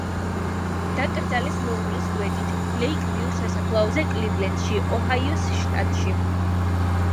დაკრძალეს მეუღლის გვერდით, ლეიკ-ვიუს სასაფლაოზე კლივლენდში, ოჰაიოს შტატში.